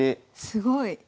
すごい。